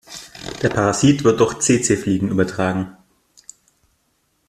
Der Parasit wird durch Tsetsefliegen übertragen.